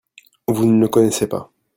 Vous ne le connaissez pas.